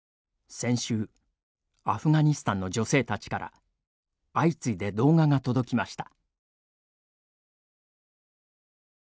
先週アフガニスタンの女性たちから相次いで動画が届きました。